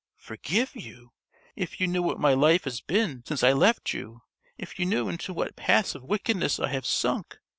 "Forgive you? If you knew what my life has been since I left you! If you knew into what paths of wickedness I have sunk!